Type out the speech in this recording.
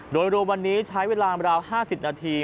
โดยรวมวันนี้ใช้เวลาราว๕๐นาที